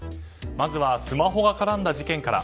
まずはスマホが絡んだ事件から。